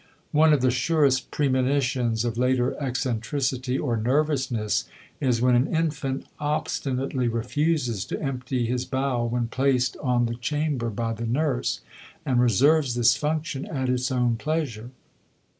One of the surest premonitions of later eccentricity or nervousness is when an infant obstinately refuses to empty his bowel when placed on the chamber by the nurse and reserves this function at its own pleasure.